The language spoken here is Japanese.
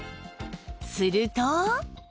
すると